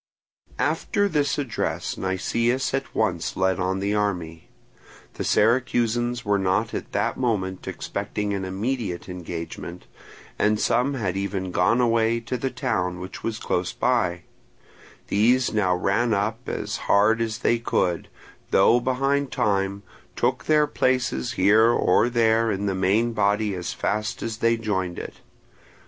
After this address Nicias at once led on the army. The Syracusans were not at that moment expecting an immediate engagement, and some had even gone away to the town, which was close by; these now ran up as hard as they could and, though behind time, took their places here or there in the main body as fast as they joined it.